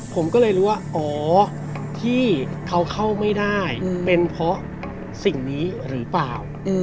ผมก็เลยรู้ว่าอ๋อที่เขาเข้าไม่ได้เป็นเพราะสิ่งนี้หรือเปล่า